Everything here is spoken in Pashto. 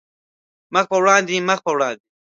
مخ په وړاندې، مخ په وړاندې